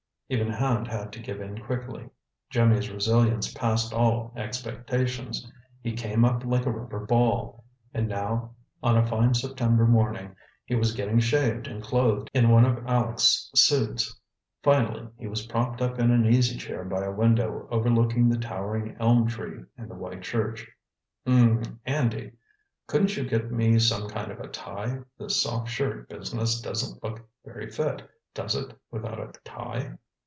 Even Hand had to give in quickly. Jimmy's resilience passed all expectations. He came up like a rubber ball; and now, on a fine September morning, he was getting shaved and clothed in one of Aleck's suits. Finally he was propped up in an easy chair by a window overlooking the towering elm tree and the white church. "Er Andy couldn't you get me some kind of a tie? This soft shirt business doesn't look very fit, does it, without a tie?"